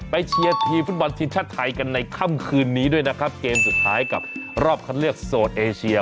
เชียร์ทีมฟุตบอลทีมชาติไทยกันในค่ำคืนนี้ด้วยนะครับเกมสุดท้ายกับรอบคัดเลือกโซนเอเชีย